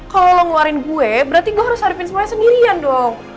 kalau ngeluarin gue berarti gue harus harapin semuanya sendirian dong